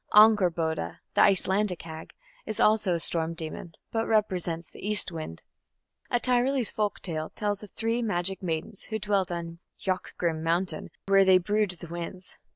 Angerboda, the Icelandic hag, is also a storm demon, but represents the east wind. A Tyrolese folk tale tells of three magic maidens who dwelt on Jochgrimm mountain, where they "brewed the winds".